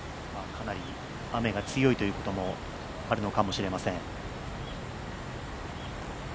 かなり雨が強いということもあるのかもしれません。